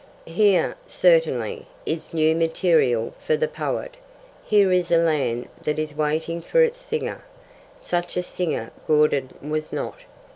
Here, certainly, is new material for the poet, here is a land that is waiting for its singer. Such a singer Gordon was not.